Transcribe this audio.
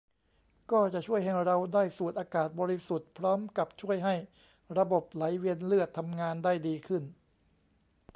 ก็จะช่วยให้เราได้สูดอากาศบริสุทธิ์ พร้อมกับช่วยให้ระบบไหลเวียนเลือดทำงานได้ดีขึ้น